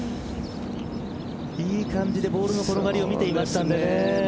いい感じでボールの転がりを見ていたんですけどね。